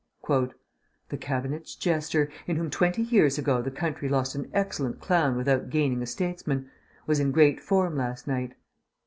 "The Cabinet's jester, in whom twenty years ago the country lost an excellent clown without gaining a statesman, was in great form last night...."